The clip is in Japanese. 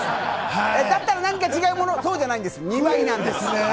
だったらなんか違うものそうじゃないんです、２倍なんです。